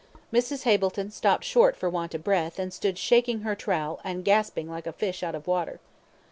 Mrs. Hableton stopped short for want of breath, and stood shaking her trowel, and gasping like a fish out of water.